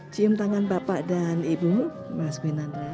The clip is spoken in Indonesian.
cium tangan bapak dan ibu mas benandra